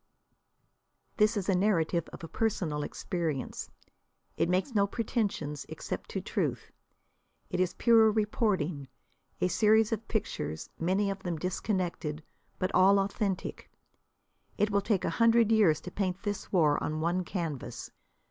This is a narrative of personal experience. It makes no pretensions, except to truth. It is pure reporting, a series of pictures, many of them disconnected, but all authentic. It will take a hundred years to paint this war on one canvas.